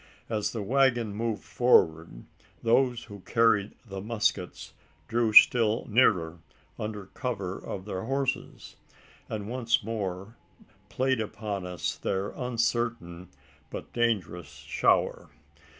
As the waggon moved forward, those who carried the muskets drew still nearer under cover of their horses, and once more played upon us their uncertain but dangerous shower.